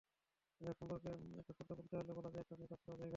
Wave সম্পর্কে একটা শব্দে বলতে হলে বলা যায়, একসঙ্গে কাজ করার জায়গা।